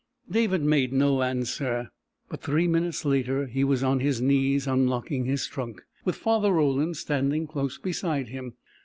David made no answer, but three minutes later he was on his knees unlocking his trunk, with Father Roland standing close beside him.